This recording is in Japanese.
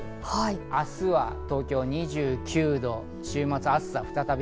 明日は東京２９度、週末暑さ再び。